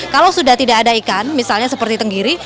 kalau sudah tidak ada ikan misalnya seperti tenggiri